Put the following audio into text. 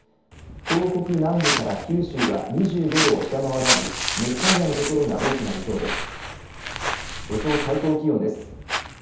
東北南部から九州は２５度を下回らず熱帯夜の所が多くなりそうです。